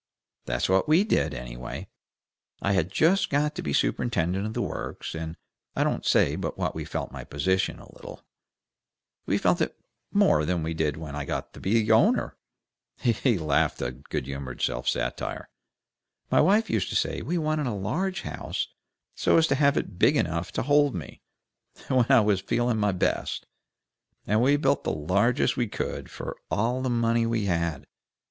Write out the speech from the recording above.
That's what we did, anyway. I had just got to be superintendent of the Works, and I don't say but what we felt my position a little. Well, we felt it more than we did when I got to be owner." He laughed in good humored self satire. "My wife used to say we wanted a large house so as to have it big enough to hold me, when I was feeling my best, and we built the largest we could for all the money we had.